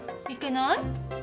いけない？